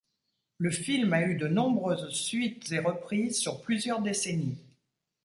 Le film a eu de nombreuses suites et reprises sur plusieurs décennies.